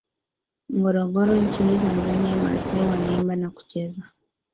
Ngorongoro nchini Tanzania Maasai wanaimba na kucheza